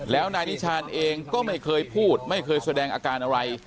แล้วนายนิชานเองก็ไม่เคยพูดไม่เคยแสดงอาการอะไร